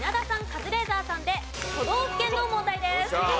カズレーザーさんで都道府県の問題です。